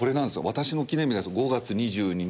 私の記念日なんです５月２２日。